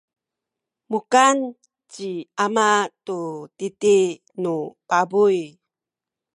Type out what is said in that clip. mukan ci ama tu titi nu pabuy.